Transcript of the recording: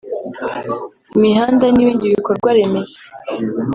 imihanda n’ibindi bikorwaremezo